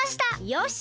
よし。